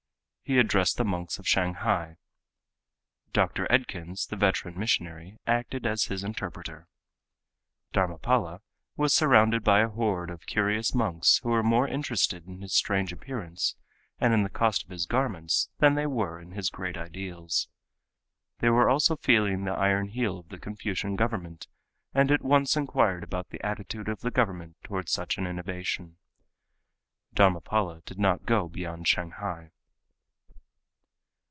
He addressed the monks of Shanghai. Dr. Edkins, the veteran missionary, acted as his interpreter. Dharmapala was surrounded by a horde of curious monks who were more interested in his strange appearance and in the cost of his garments than they were in his great ideals. They were also feeling the iron heel of the Confucian government and at once inquired about the attitude of the government toward such an innovation. Dharmapala did not go beyond Shanghai.